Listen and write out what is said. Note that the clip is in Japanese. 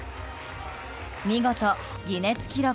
見事、ギネス記録